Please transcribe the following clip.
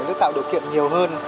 để tạo điều kiện nhiều hơn